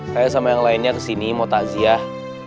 saya sama yang lainnya kesini mau takziah